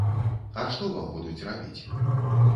А што вам будуць рабіць?